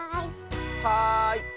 はい。